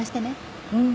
うん。